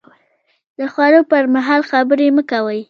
د خوړو پر مهال خبرې مه کوئ